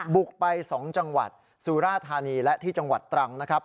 บุกไป๒จังหวัดสุราธานีและที่จังหวัดตรังนะครับ